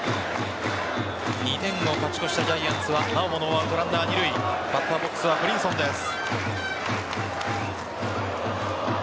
２点を勝ち越したジャイアンツはなおもノーアウトランナー二塁バッターボックスはブリンソンです。